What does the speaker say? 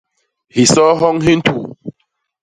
Hisoo hyoñ hi ntuu.